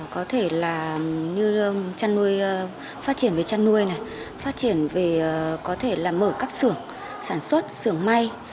có thể là như chăn nuôi phát triển về chăn nuôi này phát triển về có thể là mở các sưởng sản xuất sưởng may